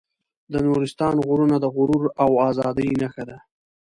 د نورستان غرونه د غرور او ازادۍ نښه ده.